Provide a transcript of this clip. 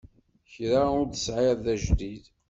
Kra ur t-sɛiɣ d ajdid.